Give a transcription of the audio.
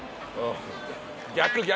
逆逆！